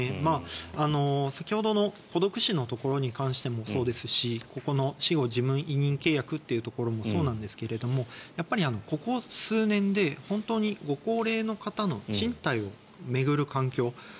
先ほどの孤独死のところに関してもそうですしここの死後事務委任契約というところもそうなんですけれどもやっぱりここ数年で本当にご高齢の方の賃貸を巡る環境